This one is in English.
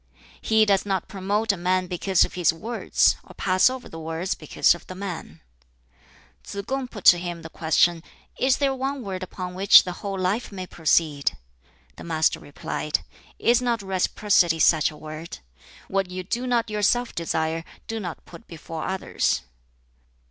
"He does not promote a man because of his words, or pass over the words because of the man." Tsz kung put to him the question, "Is there one word upon which the whole life may proceed?" The Master replied, "Is not Reciprocity such a word? what you do not yourself desire, do not put before others."